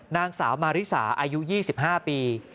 นางสาวมาริสาอายุ๒๕ปี